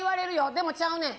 でも、ちゃうねん。